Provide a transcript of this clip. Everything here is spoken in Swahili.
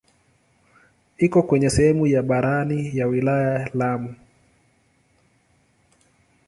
Iko kwenye sehemu ya barani ya wilaya ya Lamu.